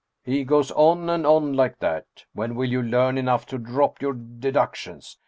" He goes on and on like that ! When will you learn enough to drop your deductions